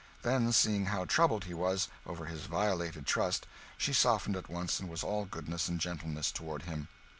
Then, seeing how troubled he was over his violated trust, she softened at once, and was all goodness and gentleness toward him.